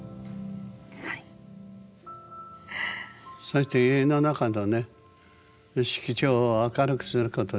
そして家の中のね色調を明るくすることですね。